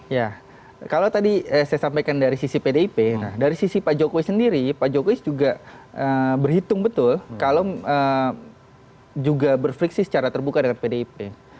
ya kalau tadi saya sampaikan dari sisi pdip dari sisi pak jokowi sendiri pak jokowi juga berhitung betul kalau juga berfriksi secara terbuka dengan pdip